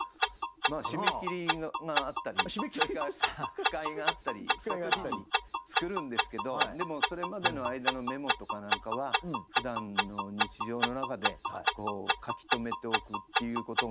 まあ締め切りがあったりそれから句会があったりした時に作るんですけどでもそれまでの間のメモとか何かはふだんの日常の中で書き留めておくっていうことがやっぱりありますよね。